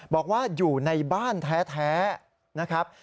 บอกว่าอยู่ในบ้านแท้นะครับ